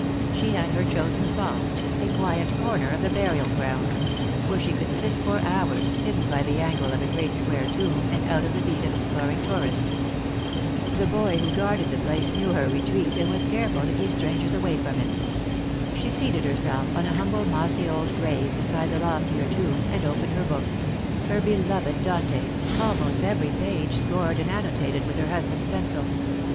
She had her chosen spot — a quiet corner of the burial ground — where she could sit for hours, hid den by the angle of a great square tomb, and out of the beat of exploring tourists. The boy who guarded the place knew her retreat, and was careful to keep strangers away from it. She seated herself on a humble mossy old grave beside the loftier tomb, and opened her book —her beloved Dante, almost every page scored and annotated with her husband's pencil.